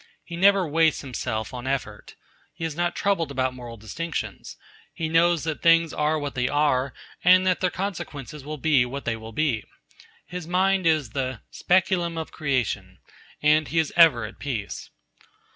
He never wastes himself on effort. He is not troubled about moral distinctions. He knows that things are what they are, and that their consequences will be what they will be. His mind is the 'speculum of creation,' and he is ever at peace.